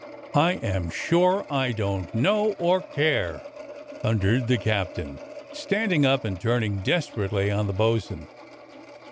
^" "I am sure I don't know, or care," thundered the captain, standing up and turning desperately on the bo'sun.